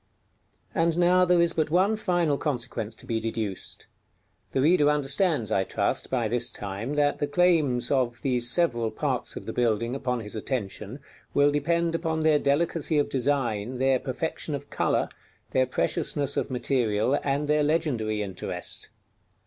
_ And now there is but one final consequence to be deduced. The reader understands, I trust, by this time, that the claims of these several parts of the building upon his attention will depend upon their delicacy of design, their perfection of color, their preciousness of material, and their legendary interest.